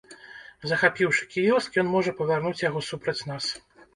Захапіўшы кіёск, ён можа павярнуць яго супраць нас!